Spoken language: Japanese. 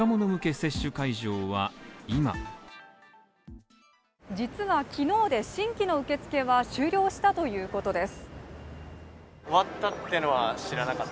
接種会場は今実は、昨日で新規の受け付けは終了したということです。